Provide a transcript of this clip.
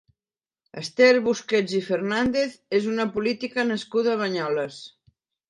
Ester Busquets i Fernández és una política nascuda a Banyoles.